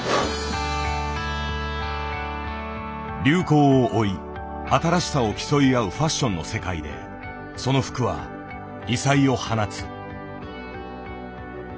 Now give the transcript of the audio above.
流行を追い新しさを競い合うファッションの世界でその服は異彩を放つ。